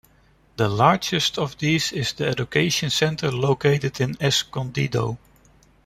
The largest of these is the education center located in Escondido.